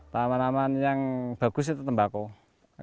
tanaman tanaman yang bagus itu tembakau